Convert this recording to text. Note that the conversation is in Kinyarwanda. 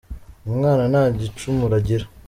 Umwana nta gicumuro agira.